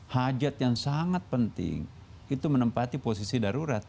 hajat yang sangat penting itu menempati posisi darurat